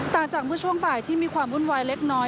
จากเมื่อช่วงบ่ายที่มีความวุ่นวายเล็กน้อย